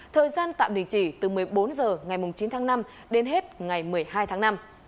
thời gian tạm đình chỉ từ một mươi bốn h ngày chín tháng năm đến hết ngày một mươi hai tháng năm